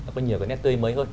có nhiều cái nét tươi mới hơn